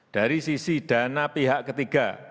dari sisi dana pihak ketiga